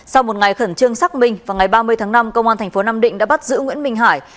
sau một ngày khẩn trương xác minh vào ngày ba mươi tháng năm công an thành phố nam định đã bắt giữ nguyễn minh hải